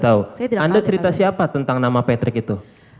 anda cerita siapa tentang nama patrick itu